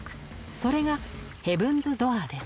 それが「ヘブンズ・ドアー」です。